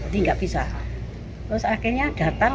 terus akhirnya datang